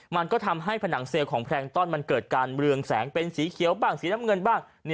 มันก็ทำให้ผนังเซลล์ของแพรงต้อนมันเกิดการเรืองแสงเป็นสีเขียวบ้างสีน้ำเงินบ้าง